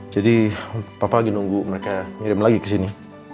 jadi papa lagi nunggu mereka ngirim lagi ke sini